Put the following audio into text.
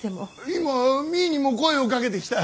今実衣にも声をかけてきた。